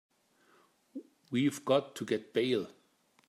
We've got to get bail.